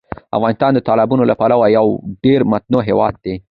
افغانستان د تالابونو له پلوه یو ډېر متنوع هېواد دی.